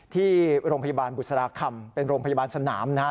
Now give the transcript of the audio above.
ที่โรงพยาบาลบุษราคำเป็นโรงพยาบาลสนามนะฮะ